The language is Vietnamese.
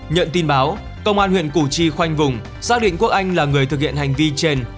nhận tin báo công an huyện củ chi khoanh vùng xác định quốc anh là người thực hiện hành vi trên